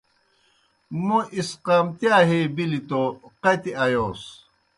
موْ اِسقامتِیا ہے بِلیْ توْ قتیْ آیوس۔